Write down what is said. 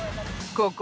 ここ。